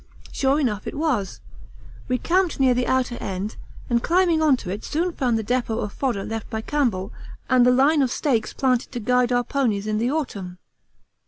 Sure enough it was; we camped near the outer end, and climbing on to it soon found the depot of fodder left by Campbell and the line of stakes planted to guide our ponies in the autumn.